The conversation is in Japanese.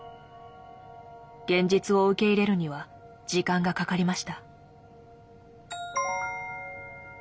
現実を受け入れるには時間がかかりました。